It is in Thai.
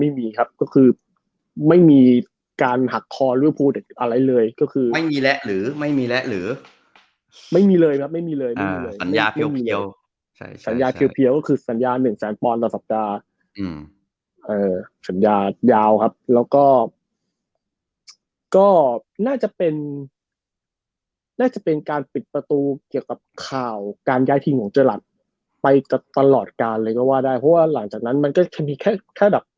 อะไรไม่มีครับก็คือไม่มีการหักคอด้วยพวกเด็กอะไรเลยก็คือไม่มีแล้วหรือไม่มีแล้วหรือไม่มีเลยครับไม่มีเลยไม่มีเลยไม่มีเลยสัญญาเพียวสัญญาเพียวก็คือสัญญาหนึ่งแสนปอนด์ต่อสัปดาห์สัญญายาวครับแล้วก็ก็น่าจะเป็นน่าจะเป็นการปิดประตูเกี่ยวกับข่าวการย้ายทิ้งของเจ้าหลัดไปกับตลอดการเลยก็ว่าได้เพร